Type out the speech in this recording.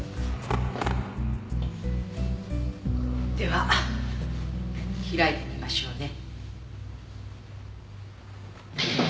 では開いてみましょうね。